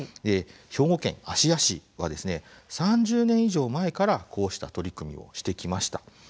兵庫県芦屋市は３０年以上前からこうした取り組みをしてきました。